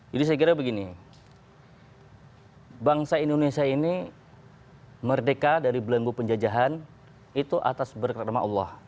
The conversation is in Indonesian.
jadi saya kira begini bangsa indonesia ini merdeka dari belenggu penjajahan itu atas berkata nama allah